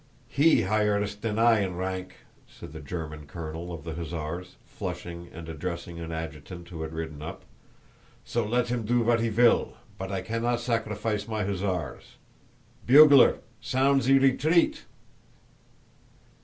"He higher iss dan I in rank," said the German colonel of the hussars, flushing and addressing an adjutant who had ridden up, "so let him do what he vill, but I cannot sacrifice my hussars... Bugler, sount ze retreat!"